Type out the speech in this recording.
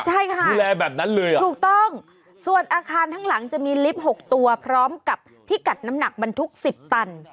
ใช่ค่ะถูกต้องส่วนอาคารข้างหลังจะมีลิฟต์๖ตัวพร้อมกับที่กัดน้ำหนักมันทุก๑๐ตัน